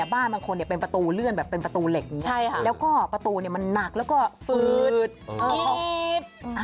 บ้านบางคนเนี่ยเป็นประตูเลื่อนแบบเป็นประตูเหล็กอย่างนี้แล้วก็ประตูเนี่ยมันหนักแล้วก็ฟืดคอด